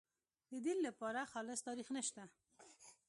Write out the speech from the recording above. د دین لپاره خالص تاریخ نشته.